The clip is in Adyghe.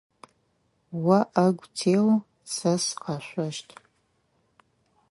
О ӏэгу теу, сэ сыкъэшъощт.